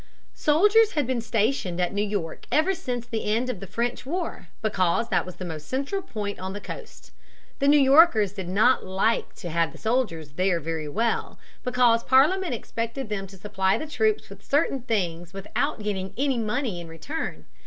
Soldiers had been stationed at New York ever since the end of the French war because that was the most central point on the coast. The New Yorkers did not like to have the soldiers there very well, because Parliament expected them to supply the troops with certain things without getting any money in return.